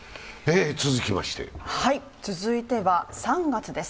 続いては３月です。